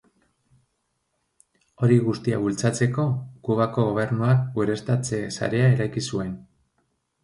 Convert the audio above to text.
Hori guztia bultzatzeko, Kubako gobernuak ureztatze sarea eraiki zuen.